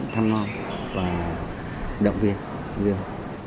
thăm ngon và động viên